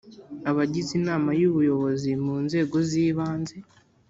abagize inama y ubuyobozi mu nzego zibanze